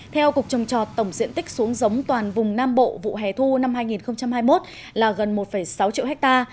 theo cục trồng trọt tổng diện tích xuống giống toàn vùng nam bộ vụ hè thu năm hai nghìn hai mươi một là gần một sáu triệu ha